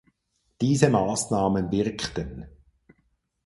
Diese Maßnahmen wirkten.